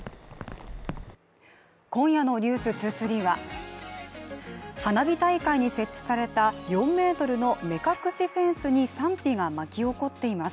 今夜の「ｎｅｗｓ２３」は花火大会に設置された４ｍの目隠しフェンスに賛否が巻き起こっています